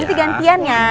nanti gantian ya